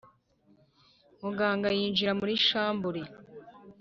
muganga yinjira muri chambure